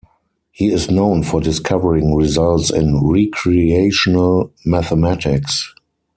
He is known for discovering results in recreational mathematics.